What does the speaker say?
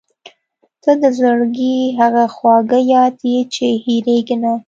• ته د زړګي هغه خواږه یاد یې چې هېرېږي نه.